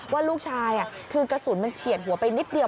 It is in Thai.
ว่าลูกชายคือกระสุนมันเฉียดหัวไปนิดเดียว